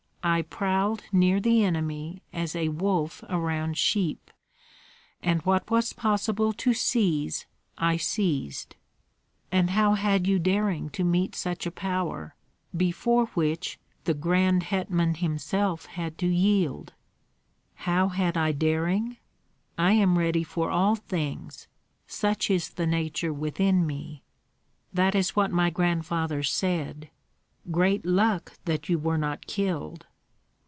I prowled near the enemy as a wolf around sheep, and what was possible to seize I seized." "And how had you daring to meet such a power, before which the grand hetman himself had to yield?" "How had I daring? I am ready for all things, such is the nature within me." "That is what my grandfather said. Great luck that you were not killed!"